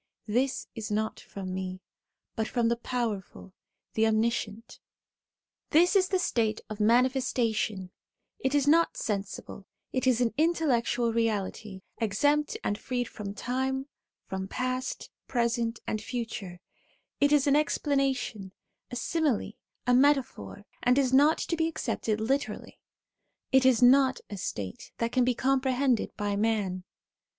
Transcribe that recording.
This is not from me, but from the Powerful, the Omniscient.' * This is the 1 Extract from the letter to Naru'd Din Shah. G 98 SOME ANSWERED QUESTIONS state of manifestation ; it is not sensible, it is an intel lectual reality, exempt and freed from time, from past, present, and future; it is an explanation, a simile, a metaphor, and is not to be accepted literally ; it is not a state that can be comprehended by man.